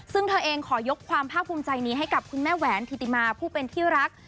ซึ่งเธอเองขอยกความภาคภูมิใจนี้ให้กับคุณแม่แหวนธิติมาผู้เป็นที่รัก